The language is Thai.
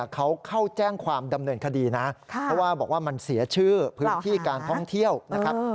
เพราะว่าบอกว่ามันเสียชื่อพื้นที่การท่องเที่ยวนะครับ